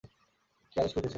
কী আদেশ করিতেছেন?